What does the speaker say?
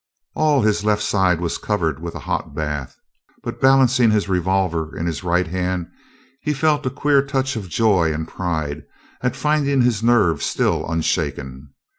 All his left side was covered with a hot bath, but, balancing his revolver in his right hand, he felt a queer touch of joy and pride at finding his nerve still unshaken.